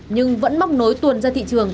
nhưng vẫn móc nối tuần ra thị trường